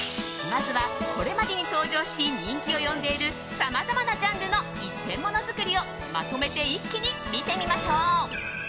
まずは、これまでに登場し人気を呼んでいるさまざまなジャンルの一点モノづくりをまとめて一気に見てみましょう。